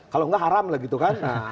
kalau nggak haram lah gitu kan